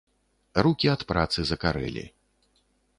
Рукі ад працы закарэлі.